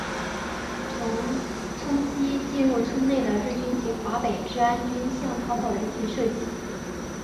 从村西进入村内的日军及华北治安军向逃跑的人群射击。